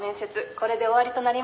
これで終わりとなります。